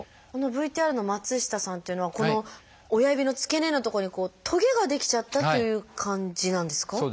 あのＶＴＲの松下さんっていうのはこの親指の付け根の所に棘が出来ちゃったという感じなんですか？